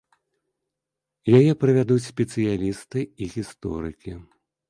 Яе правядуць спецыялісты і гісторыкі.